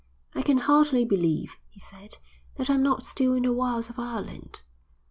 "I can hardly believe," he said, "that I'm not still in the wilds of Ireland."